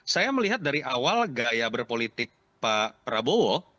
saya melihat dari awal gaya berpolitik pak prabowo